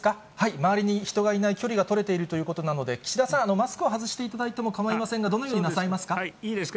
周りに人がいない、距離が取れているということなので、岸田さん、マスクを外していただいても構いませんが、どのようになさいますか？